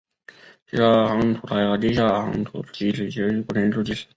其他夯土台和地下夯土基址也都是古建筑基址。